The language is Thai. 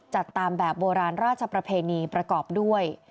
จัดตามแบบโบราณราชประเพณีประกอบด้วย